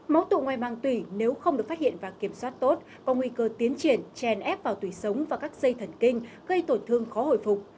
máu tụ ngoài màng tủy nếu không được phát hiện và kiểm soát tốt có nguy cơ tiến triển chèn ép vào tủy sống và các dây thần kinh gây tổn thương khó hồi phục